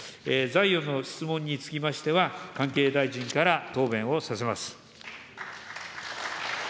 残余の質問につきましては、関係大臣から答弁をさせます。